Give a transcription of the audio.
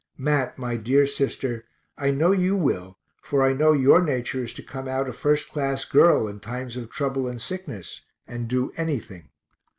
Mat, my dear sister, I know you will, for I know your nature is to come out a first class girl in times of trouble and sickness, and do anything.